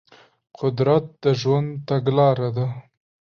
قدرت د ژوند تګلاره ده.